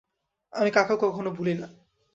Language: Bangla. আমি কাকেও কখনও ভুলি না।